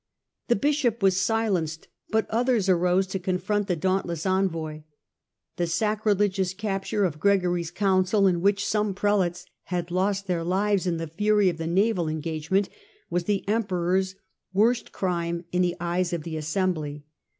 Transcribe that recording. The Bishop was silenced but others arose to con front the dauntless envoy. The sacrilegious capture of Gregory's Council, in which some Prelates had lost their lives in the fury of the naval engagement, was the Emperor's worst crime in the eyes of the assembly.